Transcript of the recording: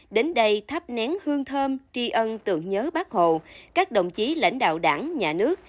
đến đây thắp nén hương thơm tri ân tượng nhớ bắc hồ các đồng chí lãnh đạo đảng nhà nước